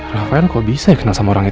rafael kok bisa ya kenal sama orang itu